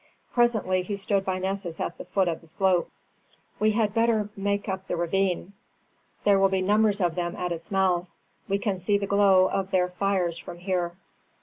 Presently he stood by Nessus at the foot of the slope. "We had better make up the ravine. There will be numbers of them at its mouth. We can see the glow of their fires from here."